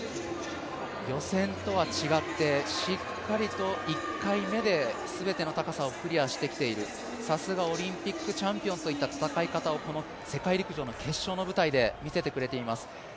予選とは違って、しっかりと１回目で全ての高さをクリアしてきている、さすがオリンピックチャンピオンといった戦い方をこの世界陸上の決勝の舞台で見せてくれています。